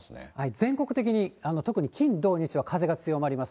全国的に、特に金、土、日は風が強まります。